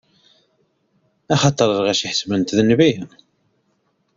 Axaṭer lɣaci ḥesben-t d nnbi.